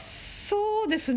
そうですね。